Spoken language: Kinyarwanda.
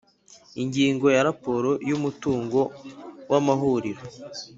Ingingo ya Raporo y umutungo w amahuriro